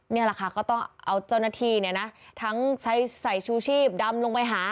นี่แหละค่ะก็ต้องเอาเจ้าหน้าที่เนี่ยนะทั้งใส่ชูชีพดำลงไปหา